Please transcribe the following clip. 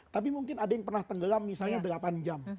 tapi mungkin ada yang pernah tenggelam misalnya delapan jam